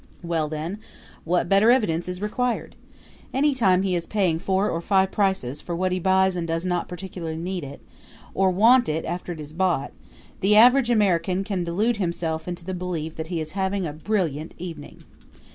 Well, then, what better evidence is required? Any time he is paying four or five prices for what he buys and does not particularly need it or want it after it is bought the average American can delude himself into the belief that he is having a brilliant evening.